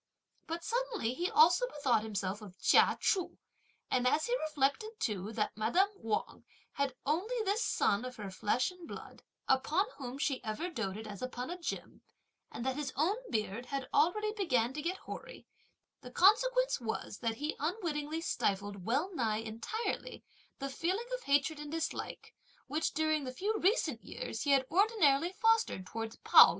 But suddenly he also bethought himself of Chia Chu, and as he reflected too that madame Wang had only this son of her own flesh and blood, upon whom she ever doated as upon a gem, and that his own beard had already begun to get hoary, the consequence was that he unwittingly stifled, well nigh entirely, the feeling of hatred and dislike, which, during the few recent years he had ordinarily fostered towards Pao yü.